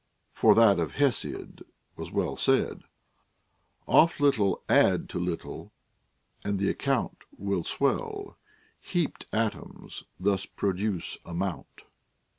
For that of Hesiod Avas well said, — Oft little add to little, and tiic account Will swell : lieapt atoms thus produce a mount.